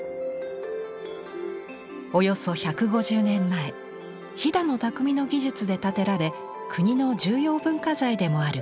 およそ１５０年前飛騨の匠の技術で建てられ国の重要文化財でもあるこの建物。